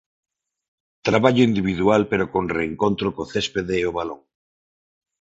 Traballo individual, pero con reencontro co céspede e o balón.